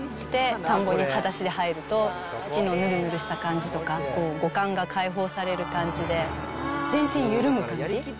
田んぼにはだしで入ると、土のぬるぬるした感じとか、五感が解放される感じで、全身緩む感じ。